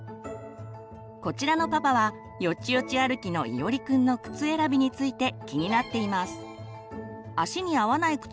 こちらのパパはよちよち歩きのいおりくんの靴選びについて気になっています。